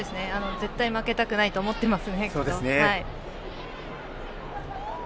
絶対負けたくないと思っています。